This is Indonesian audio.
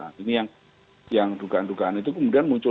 nah ini yang tugaan tugaan itu kemudian muncul